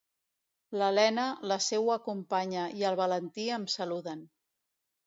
L’Elena, la seua companya i el Valentí em saluden.